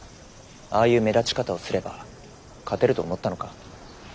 ああいう目立ち方をすれば勝てると思ったのか？